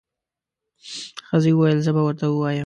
ښځې وويل زه به ورته ووایم.